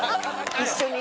一緒に？